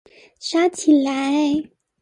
刷起來